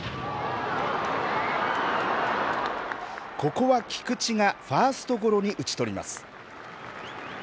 ここは菊池がファーストゴロに打ち取ります。